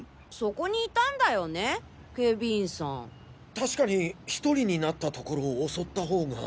確かに１人になったところを襲ったほうが。